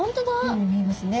ように見えますね。